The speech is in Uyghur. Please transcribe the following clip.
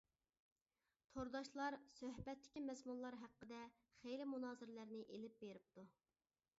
تورداشلار سۆھبەتتىكى مەزمۇنلار ھەققىدە خېلى مۇنازىرىلەرنى ئېلىپ بېرىپتۇ.